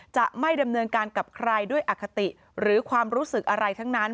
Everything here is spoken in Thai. จะไม่ดำเนินการกับใครด้วยอคติหรือความรู้สึกอะไรทั้งนั้น